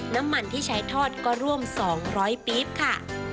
น้ำมันที่ใช้ทอดก็ร่วม๒๐๐ปี๊บค่ะ